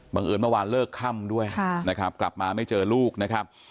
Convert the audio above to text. เอิญเมื่อวานเลิกค่ำด้วยนะครับกลับมาไม่เจอลูกนะครับ